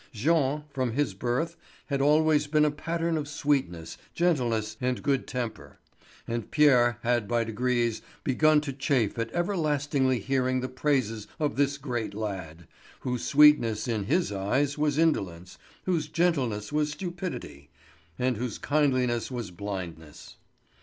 Jean, from his birth, had always been a pattern of sweetness, gentleness, and good temper, and Pierre had by degrees begun to chafe at ever lastingly hearing the praises of this great lad, whose sweetness in his eyes was indolence, whose gentleness was stupidity, and whose kindliness was blindness.